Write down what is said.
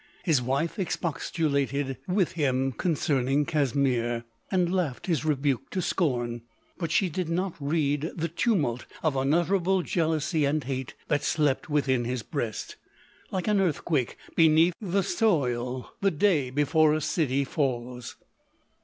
His wife expostulated with him concerning Casimir, and laughed his rebuke to scorn. But she did not read the tu mult of unutterable jealousy and hate, that slept within his breast, like an earthquake be neath the soil, the day before a city falls.